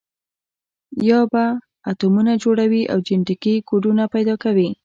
یا به اتمونه جوړوي او جنټیکي کوډونه پیدا کوي.